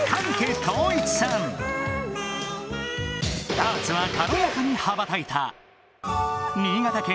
ダーツは軽やかに羽ばたいた！